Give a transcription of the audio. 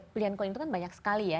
pilihan koin itu kan banyak sekali ya